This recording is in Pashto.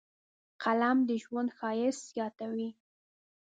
قلم د ژوند ښایست زیاتوي